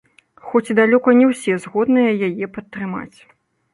Хоць і далёка не ўсе згодныя яе падтрымаць.